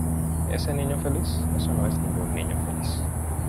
¿ Ese niño feliz? Eso no es ningún niño feliz.